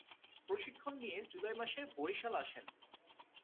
প্রশিক্ষণ নিয়ে জুলাই মাসে বরিশাল আসেন।